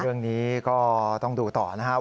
เรื่องนี้ก็ต้องดูต่อนะครับ